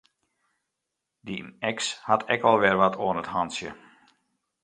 Dyn eks hat ek al wer wat oan 't hantsje.